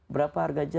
berapa harga aja